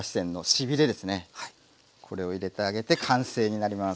これを入れてあげて完成になります。